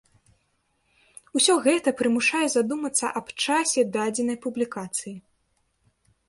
Усё гэта прымушае задумацца аб часе дадзенай публікацыі.